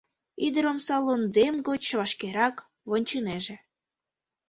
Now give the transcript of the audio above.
Ӱдыр омса лондем гоч вашкерак вончынеже.